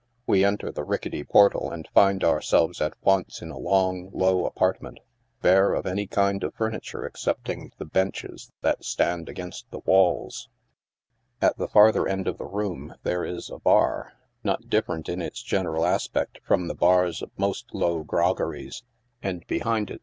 We enter the ricketty portal and find ourselves at once in a long, low apartment, bare of any kind of furniture excepting the benches that stand against the walls. At the farther end of the room there is a bar, not different in its general aspect from the bars of most low groggcries, and behind it 30 NIGHT SIDE OF NEW YORK.